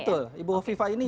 betul ibu hovifah ini